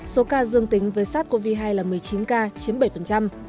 số ca dương tính với sát covid một mươi chín là một mươi chín ca chiếm bảy